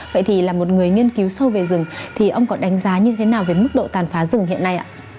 vậy thì một người nghiên cứu sâu về rừng ông có đánh giá như thế nào về mức độ tàn phá rừng hiện nay